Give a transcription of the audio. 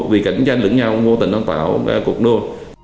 vì cạnh tranh lưỡng nhau vô tình nó tạo một cái cuộc đua